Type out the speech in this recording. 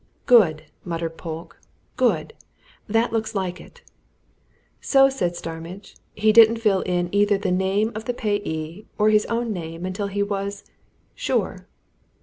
"Good!" muttered Polke. "Good! That looks like it." "So," said Starmidge, "he didn't fill in either the name of the payee or his own name until he was sure!